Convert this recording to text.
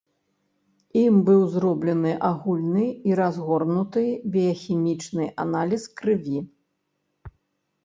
Ім быў зроблены агульны і разгорнуты біяхімічны аналіз крыві.